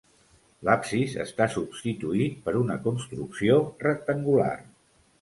L'absis està substituït per una construcció rectangular.